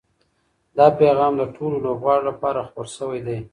دا پیغام د ټولو لوبغاړو لپاره خپور شوی دی.